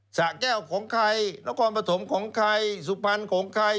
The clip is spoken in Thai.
สะแก้วของใครและความประถมของใครสุพรรณของใคร